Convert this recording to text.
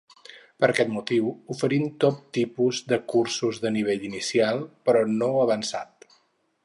Per aquest motiu, oferim tot tipus de cursos de nivell inicial, però no avançat.